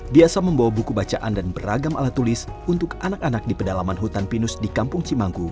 biasa membawa buku bacaan dan beragam alat tulis untuk anak anak di pedalaman hutan pinus di kampung cimangku